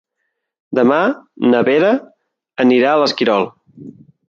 Demà na Vera anirà a l'Esquirol.